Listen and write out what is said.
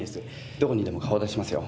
どこにでも顔出しますよ。